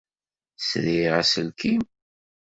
Sriɣ aselkim.